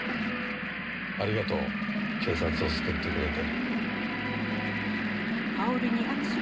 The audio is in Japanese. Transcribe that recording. ありがとう警察を救ってくれて。